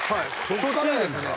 そっちですね